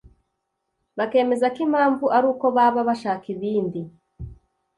bakemeza ko impamvu ari uko baba bashaka ibindi